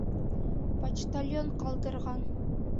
Почтальон ҡалдырған!